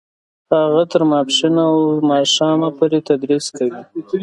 هغه تر ماسپښینه او ماښامه پورې تدریس کوي